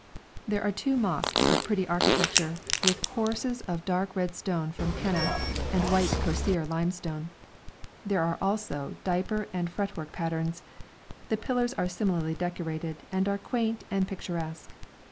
There are two mosques of pretty architecture, with courses of dark red stone from Keneh, and white Kosseir limestone; there are also diaper and fretwork patterns; the pillars are similarly decorated and are quaint and picturesque.